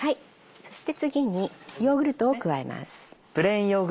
そして次にヨーグルトを加えます。